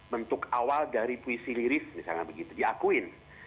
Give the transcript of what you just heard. bentuk awal dari puisi liris misalnya begitu diakuin